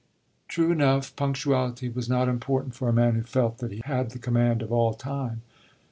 True enough, punctuality was not important for a man who felt that he had the command of all time.